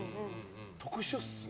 特殊ですね。